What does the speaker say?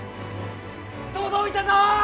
届いたぞ！